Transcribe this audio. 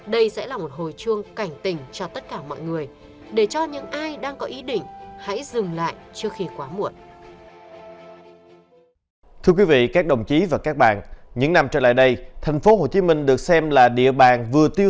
đây sẽ là một hồi chuông cảnh tình cho tất cả mọi người